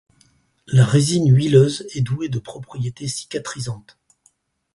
La résine huileuse est douée de propriétés cicatrisantes.